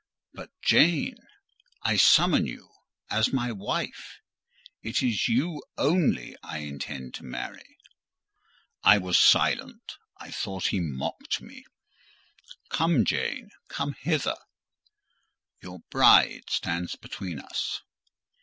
"But, Jane, I summon you as my wife: it is you only I intend to marry." I was silent: I thought he mocked me. "Come, Jane—come hither." "Your bride stands between us."